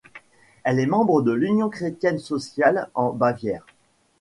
Elle est membre de l'Union chrétienne-sociale en Bavière.